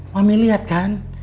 mami lihat kan